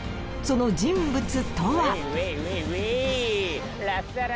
その人物とは？